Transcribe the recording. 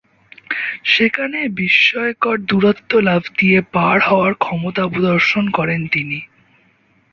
সেখানে বিস্ময়কর দূরত্ব লাফ দিয়ে পার হওয়ার ক্ষমতা প্রদর্শন করেন তিনি।